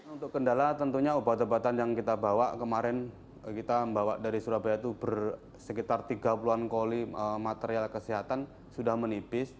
untuk kendala tentunya obat obatan yang kita bawa kemarin kita membawa dari surabaya itu bersekitar tiga puluh an koli material kesehatan sudah menipis